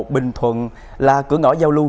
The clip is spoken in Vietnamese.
bình thuận là cửa ngõ giao lưu